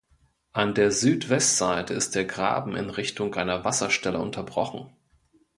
An der Südwestseite ist der Graben in Richtung einer Wasserstelle unterbrochen.